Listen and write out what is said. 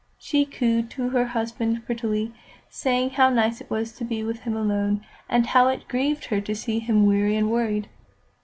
She cooed to her husband prettily, saying how nice it was to be with him alone, and how it grieved her to see him weary and worried.